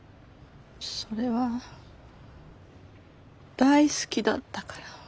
それは大好きだったから。